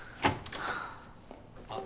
あっ！